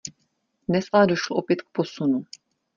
Dnes ale došlo opět k posunu.